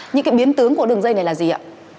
những cái biến tướng của đường dây này là gì ạ